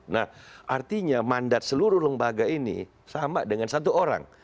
nah artinya mandat seluruh lembaga ini sama dengan satu orang